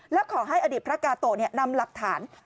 แล้วขอให้อดีตพระกาโตะนำหลักฐาน